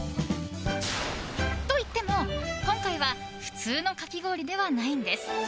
といっても、今回は普通のかき氷ではないんです。